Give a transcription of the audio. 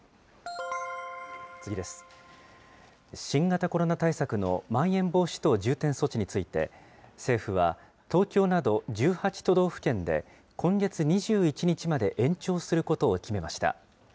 新型コロナ対策のまん延防止等重点措置について、政府は東京など、１８都道府県で、今月２１日まで延長することを決めました。